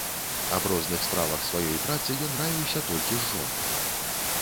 Аб розных справах сваёй працы ён раіўся толькі з жонкай.